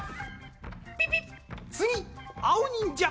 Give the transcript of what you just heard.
ピピッつぎあおにんじゃ！